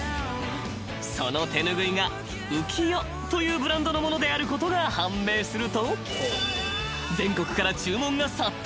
［その手ぬぐいがＵＫＩＹＯというブランドのものであることが判明すると全国から注文が殺到。